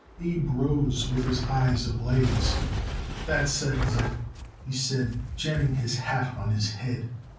Abe rose with his eyes ablaze. "That settles it," he said, jamming his hat on his head.